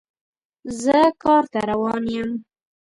زه کار ته روان یم